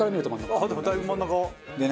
ああでもだいぶ真ん中。